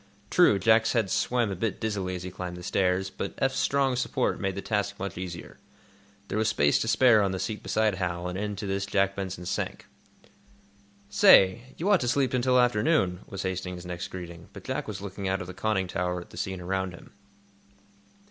True, Jack's head swam a bit dizzily as he climbed the stairs, but Eph's strong support made the task much easier. There was space to spare on the seat beside Hal, and into this Jack Benson sank. "Say, you ought to sleep until afternoon," was Hastings's next greeting, but Jack was looking out of the conning tower at the scene around him.